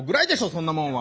そんなもんは。